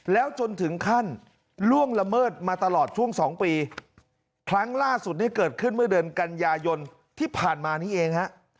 แล้วจนถึงขั้นล่วงละเมิดมาตลอดช่วงสองปีครั้งล่าสุดนี้เกิดขึ้นเมื่อเดือนกันยายนที่ผ่านมานี้เองฮะ